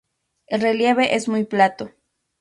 El relieve es muy plato.